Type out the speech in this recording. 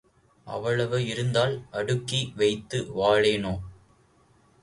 அவ்வளவு இருந்தால் அடுக்கி வைத்து வாழேனோ?